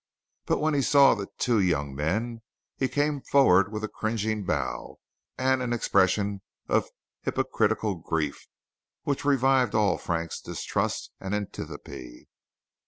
But when he saw the two young men, he came forward with a cringing bow and an expression of hypocritical grief, which revived all Frank's distrust and antipathy.